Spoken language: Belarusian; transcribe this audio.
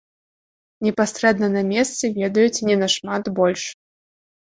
Непасрэдна на месцы ведаюць не нашмат больш.